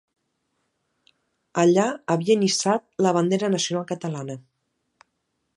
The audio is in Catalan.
Allà havien hissat la bandera nacional catalana.